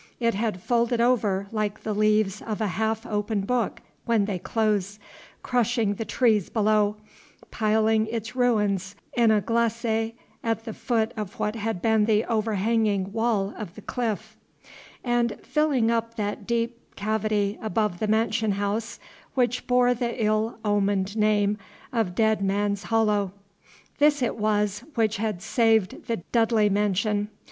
It had folded over like the leaves of a half opened book when they close, crushing the trees below, piling its ruins in a glacis at the foot of what had been the overhanging wall of the cliff, and filling up that deep cavity above the mansion house which bore the ill omened name of Dead Man's Hollow. This it was which had saved the Dudley mansion.